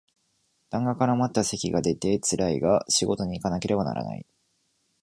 痰が絡まった咳が出てつらいが仕事にいかなければならない